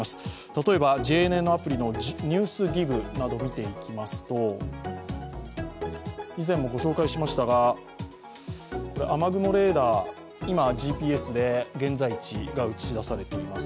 例えば、ＪＮＮアプリの「ＮＥＷＳＤＩＧ」など見ていきますと、以前もご紹介しましたが雨雲レーダー、今ＧＰＳで現在地が映し出されています。